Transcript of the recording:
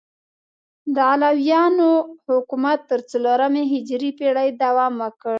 د علویانو حکومت تر څلورمې هجري پیړۍ دوام وکړ.